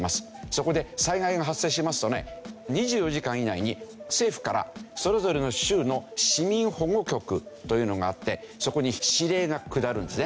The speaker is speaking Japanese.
そこで災害が発生しますとねそれぞれの州の市民保護局というのがあってそこに指令が下るんですね。